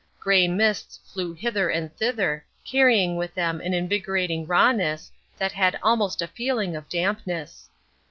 Grey mists flew hither and thither, carrying with them an invigorating rawness that had almost a feeling of dampness.